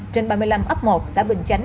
trên ba mươi năm ấp một xã bình chánh